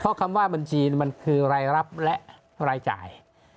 เพราะคำว่าบัญชีมันคือรายรับและรายจ่าย